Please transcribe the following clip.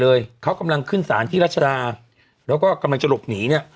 เลยเขากำลังขึ้นสารที่รัชดาแล้วก็กำลังจะหลบหนีเนี่ย